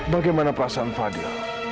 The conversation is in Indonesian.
bagaimana perasaan fadil